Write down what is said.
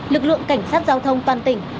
lực lượng cảnh sát giao thông toàn tỉnh